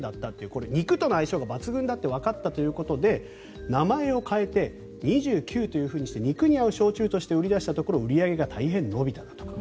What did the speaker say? これ肉との相性が抜群だとわかったということで名前を変えて「２９」として肉に合う焼酎として売り出したら売り上げが伸びたとか。